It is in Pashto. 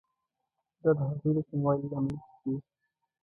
دا د هغوی د کموالي لامل کیږي.